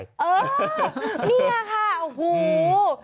เนี่ยค่ะหูวววววว